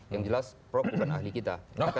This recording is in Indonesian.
yang jelas prof bukan ahli kita